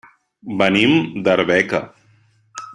Venim d'Arbeca.